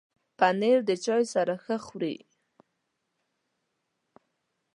پنېر د چای سره ښه خوري.